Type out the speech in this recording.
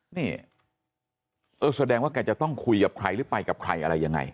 นี่เออแสดงว่าแกจะต้องคุยกับใครหรือไปกับใครอะไรยังไง